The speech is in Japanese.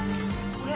これ。